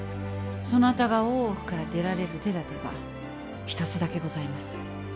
そなたが大奥から出られる手だてが一つだけございます。